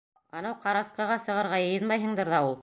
Анау ҡарасҡыға сығырға йыйынмайһыңдыр ҙа ул?